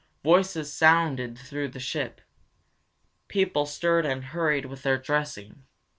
Voices sounded through the ship; people stirred and hurried with their dressing.